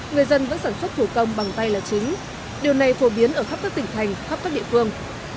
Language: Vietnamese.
người dân vẫn sản xuất thủ công bằng tay là chính điều này phổ biến ở khắp các tỉnh thành khắp các địa phương